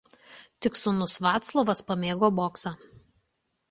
Tik sūnus Vaclovas pamėgo boksą.